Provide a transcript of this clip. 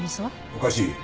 おかしい。